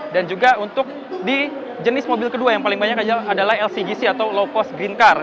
dan juga untuk di jenis mobil kedua yang paling banyak adalah lcgc atau low cost green car